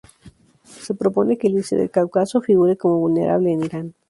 Se propone que el lince del Cáucaso figure como vulnerable en Irán.